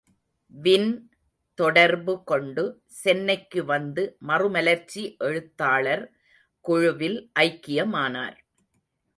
Win தொடர்பு கொண்டு, சென்னைக்கு வந்து மறுமலர்ச்சி எழுத்தாளர் குழுவில் ஐக்கியமானார்.